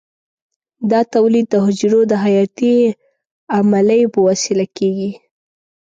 دا تولید د حجرو د حیاتي عملیو په وسیله کېږي.